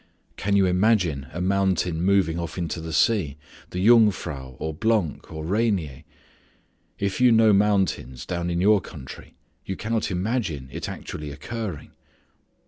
Can you imagine a mountain moving off into the sea the Jungfrau, or Blanc, or Rainier? If you know mountains down in your country you cannot imagine it actually occurring.